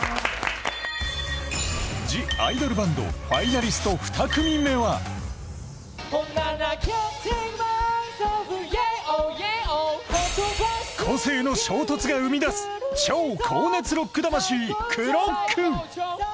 ＴＨＥＩＤＯＬＢＡＮＤファイナリスト２組目は個性の衝突が生み出す超高熱ロック魂ＣＬＲＯＣＫ